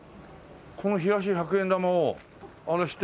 この冷やし百円玉をあれして。